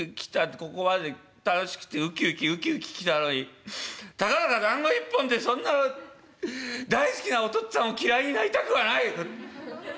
ここまで楽しくてウキウキウキウキ来たのにたかだかだんご１本でそんな大好きなお父っつぁんを嫌いになりたくはない！